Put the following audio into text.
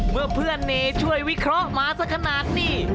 เมื่อเพื่อนเนช่วยวิเคราะห์มาสักขนาดนี้